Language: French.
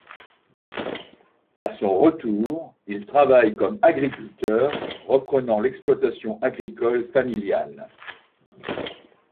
À son retour, il travaille comme agriculteur, reprenant l'exploitation agricole familiale.